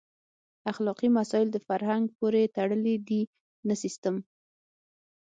اخلاقي مسایل د فرهنګ پورې تړلي دي نه د سیسټم.